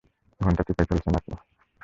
ঘন্টা চিপায় ফেলছেন আপনি।